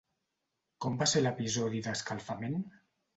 Com va ser l'episodi d'escalfament?